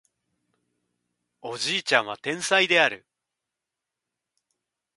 おじいちゃんは天才である